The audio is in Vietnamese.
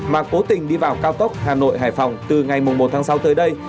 mà cố tình đi vào cao tốc hà nội hải phòng từ ngày một tháng sáu tới đây